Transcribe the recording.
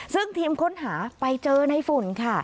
ซึ่งทีมค้นหาไปเจอในฝุ่นค่ะ